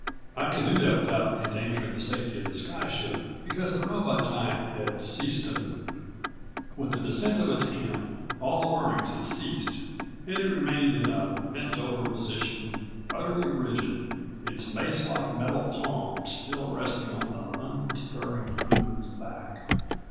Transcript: I could do that without endangering the safety of the sky ship, because the robot giant had ceased to move. With the descent of its hand all of the whirrings had ceased and it remained in a bent over position, utterly rigid, its mace like metal palm still resting on the unstirring crewman's back.